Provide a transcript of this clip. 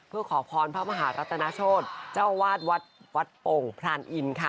เพื่อขอพรพระมหารัตนาโชธเจ้าวาดวัดวัดโป่งพรานอินค่ะ